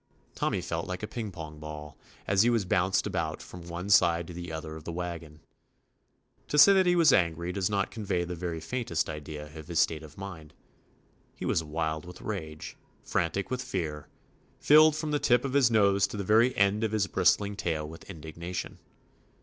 Tommy felt like a ping pong ball, as he was bounced about from one side to the other of the wagon. To say that he was angry does not con vey the very faintest idea of his state of mind : he was wild with rage, fran tic with fear, filled from the tip of his nose to the very end of his bristling tail with indignation.